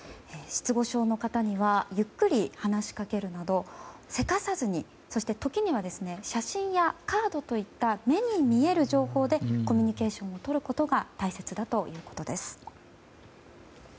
失語症の方にはゆっくり話しかけるなどせかさずに、そして時には写真やカードといった目に見える情報でコミュニケーションをとることが大切だということです。